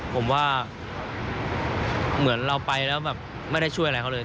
ผมว่าเหมือนเราไปแล้วแบบไม่ได้ช่วยอะไรเขาเลย